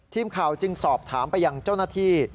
ทีมข่าวจึงสอบถามไปยังเจ้าหน้าที่